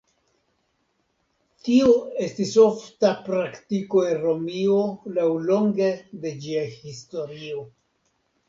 Tiu estis ofta praktiko en Romio laŭlonge de ĝia historio.